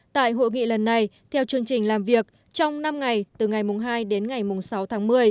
tại hội nghị lần này theo chương trình làm việc trong năm ngày từ ngày hai đến ngày sáu tháng một mươi